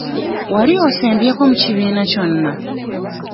Wali osembyeko mu kibiina kyonna?